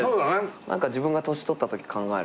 何か自分が年取ったとき考えると。